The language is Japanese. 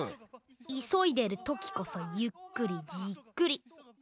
いそいでるときこそゆっくりじっくり。